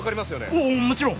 おおもちろん。